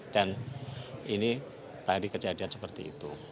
dan ini tadi kejadian seperti itu